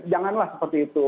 janganlah seperti itu